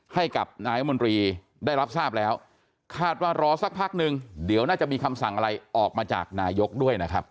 ให้กับนายมนตรีได้รับทราบแล้วคาดว่ารอสักพักหนึ่งเดี๋ยวน่าจะมีคำสั่งอะไรออกมาจากนายกด้วยนะครับ